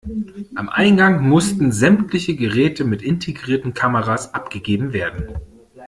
Am Eingang mussten sämtliche Geräte mit integrierten Kameras abgegeben werden.